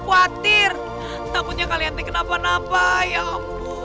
khawatir takutnya kalian nih kenapa napa ya ampun